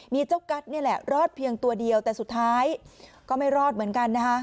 มีเจ้ากัสนี่แหละรอดเพียงตัวเดียวแต่สุดท้ายก็ไม่รอดเหมือนกันนะคะ